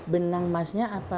benang emasnya apa